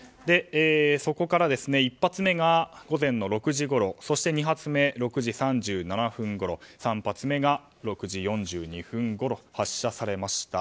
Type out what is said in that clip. そこから１発目が午前６時ごろそして、２発目が６時３７分ごろ３発目が６時４２分ごろ発射されました。